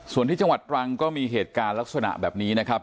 ส่วนที่จังหวัดตรังก็มีเหตุการณ์ลักษณะแบบนี้นะครับ